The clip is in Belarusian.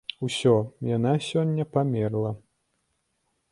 Усё, яна сёння памерла.